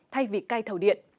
thay vì cai thầu điện